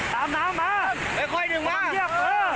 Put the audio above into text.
ตามน้ำมาไม่ค่อยหนึ่งมามาเยี่ยมเออ